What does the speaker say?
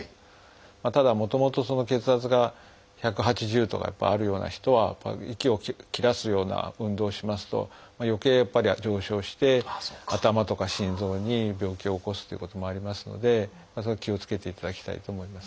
ただもともと血圧が１８０とかあるような人は息を切らすような運動をしますとよけいやっぱり上昇して頭とか心臓に病気を起こすということもありますのでそれは気をつけていただきたいと思いますね。